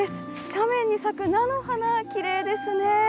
斜面に咲く菜の花、きれいですね。